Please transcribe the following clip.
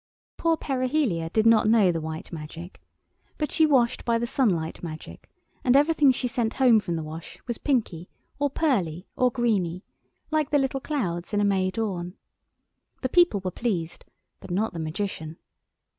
Poor Perihelia did not know the white magic; but she washed by the Sunlight Magic, and everything she sent home from the wash was pinky or pearly or greeny, like the little clouds in a May dawn. The people were pleased, but not the Magician.